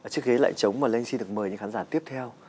trước ghế lạnh trống mà linh xin được mời những khán giả tiếp theo